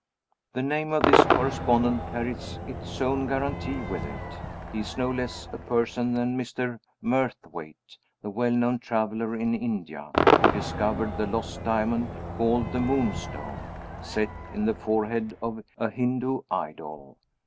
The name of this correspondent carries its own guarantee with it. He is no less a person than Mr. Murthwaite the well known traveler in India, who discovered the lost diamond called "the Moonstone," set in the forehead of a Hindoo idol.